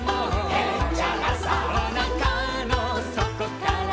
「へっちゃらさ」「おなかの底から」